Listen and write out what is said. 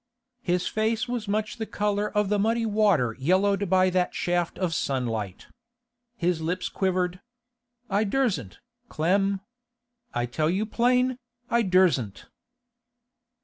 His face was much the colour of the muddy water yellowed by that shaft of sunlight. His lips quivered. 'I dursn't, Clem. I tell you plain, I dursn't.